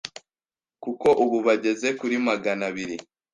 kuko ubu bageze kuri Magana abiri